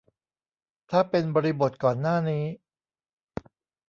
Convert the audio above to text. ถ้าเป็นบริบทก่อนหน้านี้